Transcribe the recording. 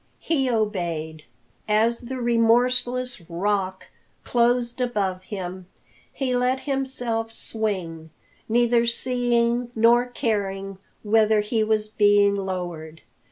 He obeyed. [Illustration: 0267] As the remorseless Rock closed above him, he let himself swing, neither seeing nor caring whither he was being lowered.